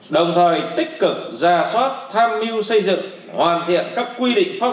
đồng thời tích cực ra soát tham mưu xây dựng hoàn thiện các quy định pháp